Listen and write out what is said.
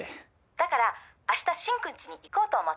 「だから明日進くんちに行こうと思って」